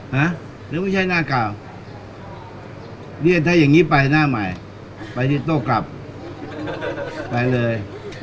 หรือไม่ใช่หน้าเก่าเนี่ยถ้าอย่างนี้ไปหน้าใหม่ไปที่โต้กลับไปเลย